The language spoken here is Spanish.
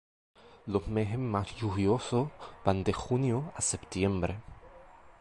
Los meses más lluviosos van de junio a septiembre.